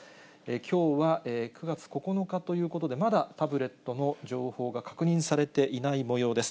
きょうは９月９日ということで、まだタブレットの情報が確認されていないもようです。